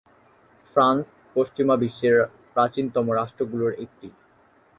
France পশ্চিমা বিশ্বের প্রাচীনতম রাষ্ট্রগুলির একটি।